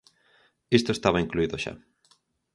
Isto estaba incluído xa.